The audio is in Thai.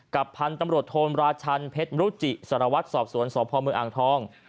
พันธุ์ตำรวจโทนราชันเพชรมรุจิสารวัตรสอบสวนสพเมืองอ่างทอง